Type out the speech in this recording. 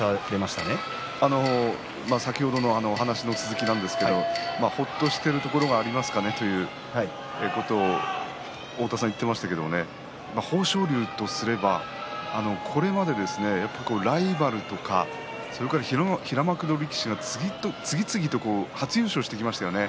先ほどの話の続きなんですがほっとしているところがありますかねということを太田さんが言っていましたが豊昇龍とすれば、これまでライバルとか平幕の力士が次々と初優勝をしていきましたよね。